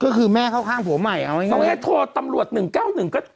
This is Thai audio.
ก็คือแม่ค่อยข้างผัวใหม่เอาไงพอแม่โทรตำรวจหนึ่งเก้าหนึ่งก็